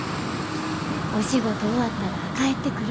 お仕事終わったら帰ってくる。